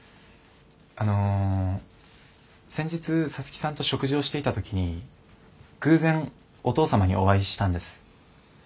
あの先日皐月さんと食事をしていた時に偶然お父様にお会いしたんです。